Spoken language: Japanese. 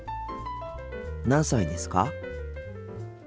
何歳ですか？